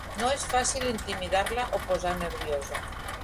No és fàcil intimidar-la o posar nerviosa.